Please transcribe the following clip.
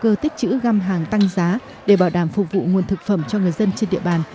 cơ tích chữ găm hàng tăng giá để bảo đảm phục vụ nguồn thực phẩm cho người dân trên địa bàn